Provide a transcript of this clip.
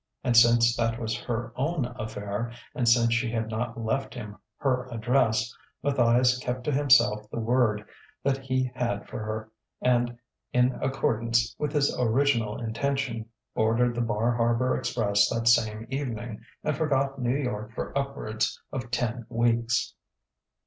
And since that was her own affair, and since she had not left him her address, Matthias kept to himself the word that he had for her and, in accordance with his original intention, boarded the Bar Harbor Express that same evening, and forgot New York for upwards of ten weeks.